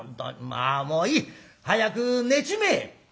まあもういい。早く寝ちめえ！」。